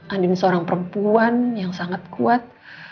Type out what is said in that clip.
andini seorang perempuan yang sangat kuat